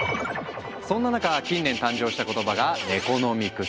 そんな中近年誕生した言葉が「ネコノミクス」。